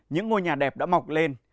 những ngôi nhà đẹp đã mọc lên